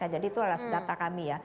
jadi itu adalah data kami